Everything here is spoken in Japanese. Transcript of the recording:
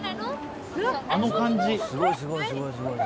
あの感じ。